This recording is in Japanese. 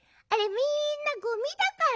みんなゴミだから。